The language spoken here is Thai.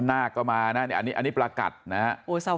นาคก็มานะอันนี้ประกัดนะครับ